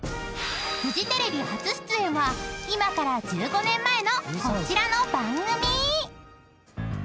［フジテレビ初出演は今から１５年前のこちらの番組］